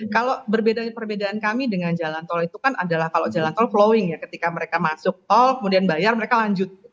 kalau berbeda perbedaan kami dengan jalan tol itu kan adalah kalau jalan tol flowing ya ketika mereka masuk tol kemudian bayar mereka lanjut